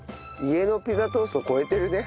家のピザトースト超えてるね